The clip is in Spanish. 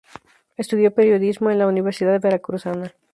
Estudió periodismo en la Universidad Veracruzana.